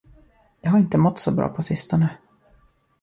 Jag har inte mått så bra på sistone.